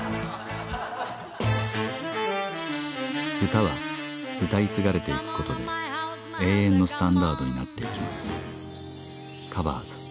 歌は歌い継がれていくことで永遠のスタンダードになっていきます